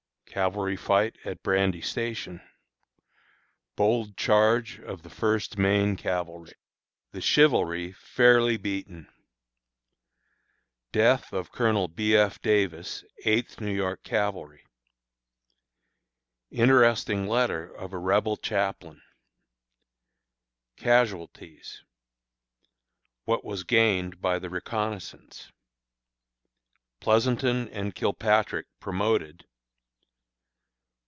Cavalry Fight at Brandy Station. Bold Charge of the First Maine Cavalry. The Chivalry fairly Beaten. Death of Colonel B. F. Davis, Eighth New York Cavalry. Interesting Letter of a Rebel Chaplain. Casualties. What was Gained by the Reconnoissance. Pleasonton and Kilpatrick Promoted.